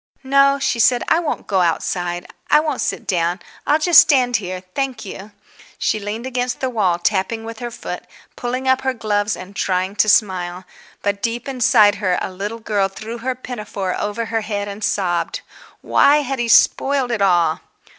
"No," she said, "I won't go outside. I won't sit down. I'll just stand here, thank you." She leaned against the wall, tapping with her foot, pulling up her gloves and trying to smile. But deep inside her a little girl threw her pinafore over her head and sobbed. Why had he spoiled it all?